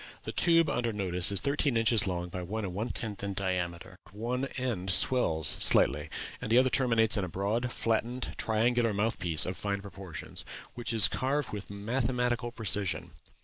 The tube under notice is thirteen inches long by one and one tenth in diameter; one end swells slightly, and the other terminates in a broad, flattened, triangular mouth piece of fine proportions, which is carved with mathematical precision.